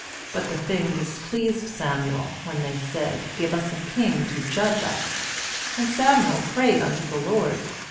But the thing displeased Samuel, when they said, Give us a king to judge us. And Samuel prayed unto the Lord.